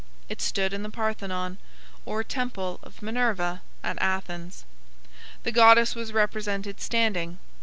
It stood in the Parthenon, or temple of Minerva at Athens. The goddess was represented standing.